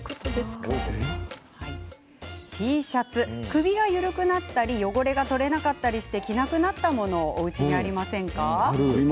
首が緩くなったり汚れが取れなかったりして着なくなったものありませんか？